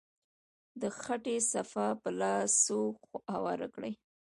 د خټې صفحه په لاسو هواره کړئ.